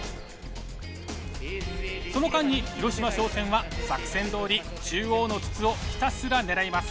その間に広島商船は作戦どおり中央の筒をひたすら狙います。